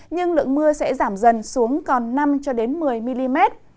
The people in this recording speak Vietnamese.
nhưng lượng mưa sẽ giảm dần xuống còn năm một mươi mm